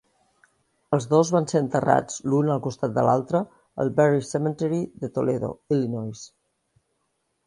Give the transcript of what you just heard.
Els dos van ser enterrats l'un al costat de l'altre al Berry Cemetery de Toledo, Illinois.